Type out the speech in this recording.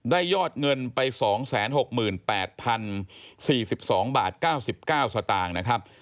ยอดเงินไป๒๖๘๐๔๒บาท๙๙สตางค์นะครับ